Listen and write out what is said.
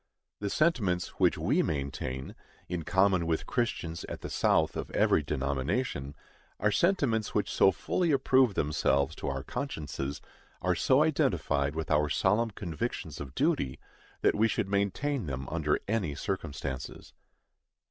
The sentiments which we maintain, in common with Christians at the South of every denomination, are sentiments which so fully approve themselves to our consciences, are so identified with our solemn convictions of duty, that we should maintain them under any circumstances.